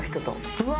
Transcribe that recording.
うわ。